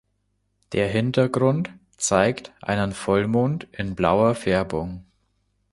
Der Hintergrund zeigt einen Vollmond in blauer Färbung.